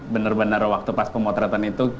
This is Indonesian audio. bener bener waktu pas pemotretan itu